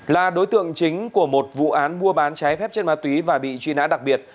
là đối tượng chính của một vụ án mua bán trái phép chất ma túy và bị truy nã đặc biệt